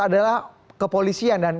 adalah kepolisian dan